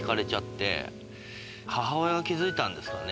母親が気付いたんですかね